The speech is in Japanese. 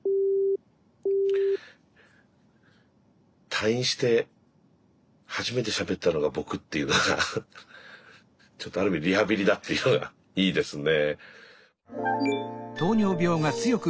退院して初めてしゃべったのが僕っていう何かちょっとある意味リハビリだっていうのがいいですね。